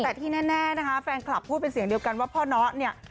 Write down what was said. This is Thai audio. แต่ที่แน่นะคะแฟนคลับพูดเป็นเสียงเดียวกันว่าพ่อเนาะเนี่ย